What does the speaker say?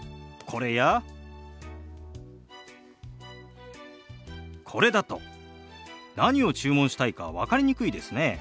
これだと何を注文したいか分かりにくいですね。